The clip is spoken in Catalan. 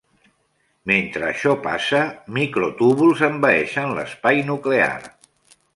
Mentre això passa, microtúbuls envaeixen l'espai nuclear.